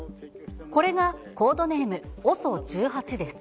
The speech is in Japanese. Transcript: これがコードネーム、ＯＳＯ１８です。